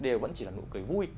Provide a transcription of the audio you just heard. đều vẫn chỉ là nụ cười vui